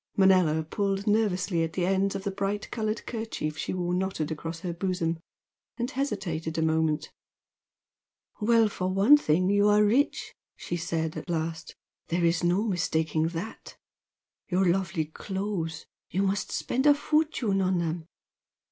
Manella pulled nervously at the ends of the bright coloured kerchief she wore knotted across her bosom, and hesitated a moment. "Well, for one thing you are rich" she said, at last "There is no mistaking that. Your lovely clothes you must spend a fortune on them!